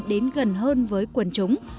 đến gần hơn với quần chúng